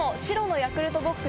ヤクルトボックス？